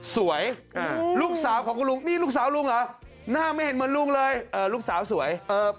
ลูกสาวของคุณลุงนี่ลูกสาวลุงเหรอหน้าไม่เห็นเหมือนลุงเลยลูกสาวสวย